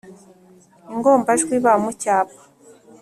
- ingombajwi b mu cyapa,